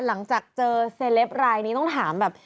หลังจากเจอเซลปรายนี้ต้องถามแบบ